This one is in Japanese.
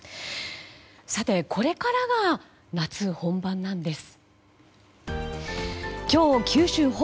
これからが夏本番なんです。